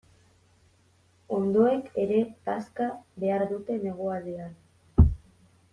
Onddoek ere bazka behar dute negualdian.